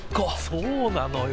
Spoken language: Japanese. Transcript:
そうなのよ。